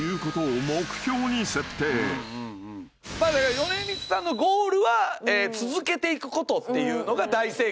米光さんのゴールは続けていくことっていうのが大成功だって。